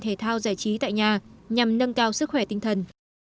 thể thao giải trí tại nhà nhằm nâng cao sức khỏe tinh thần